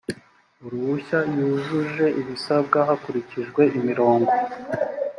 uruhushya yujuje ibisabwa hakurikijwe imirongo